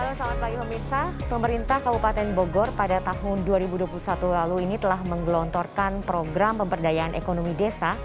halo selamat pagi pemirsa pemerintah kabupaten bogor pada tahun dua ribu dua puluh satu lalu ini telah menggelontorkan program pemberdayaan ekonomi desa